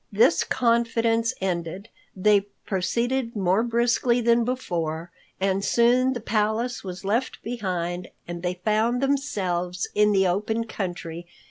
This confidence ended, they proceeded more briskly than before, and soon the palace was left behind and they found themselves in the open country.